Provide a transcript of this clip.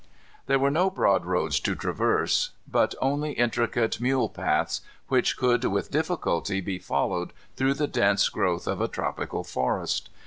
There were no broad roads to traverse, but only intricate mule paths, which could with difficulty be followed through the dense growth of a tropical forest.